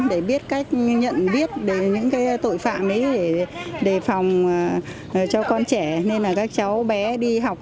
để biết cách nhận viết những tội phạm để phòng cho con trẻ nên các cháu bé đi học